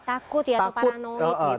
takut ya atau paranoid gitu